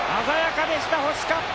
鮮やかでした星加！